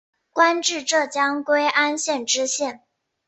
官至浙江归安县知县。